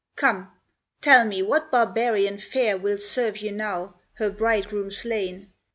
Come, tell me what barbarian fair Will serve you now, her bridegroom slain?